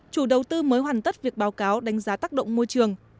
chủ đầu tư mới hoàn tất việc báo cáo đánh giá tác động môi trường